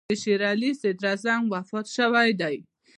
د شېر علي صدراعظم وفات شوی دی.